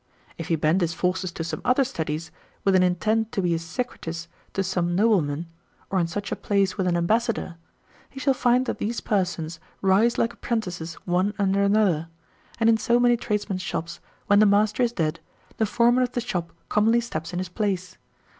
If he bend his forces to some other studies, with an intent to be a secretis to some nobleman, or in such a place with an ambassador, he shall find that these persons rise like apprentices one under another, and in so many tradesmen's shops, when the master is dead, the foreman of the shop commonly steps in his place.